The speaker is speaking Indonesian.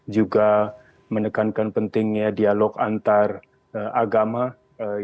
juga menekankan masalah lingkungan misalnya sesuatu yang selama ini beliau tampilkan sebagai salah satu prioritas